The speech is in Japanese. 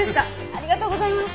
ありがとうございます。